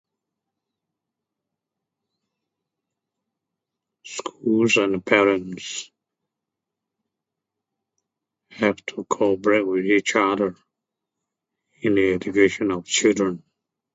Schools and parents...have to cooperate with each other...in the division of children.